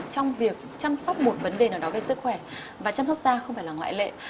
trong việc chăm sóc một vấn đề nào đó về sức khỏe và chăm hóc da không phải là ngoại lệ